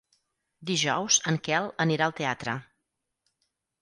Dijous en Quel anirà al teatre.